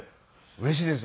うれしいです。